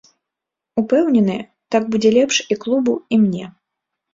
Упэўнены, так будзе лепш і клубу, і мне.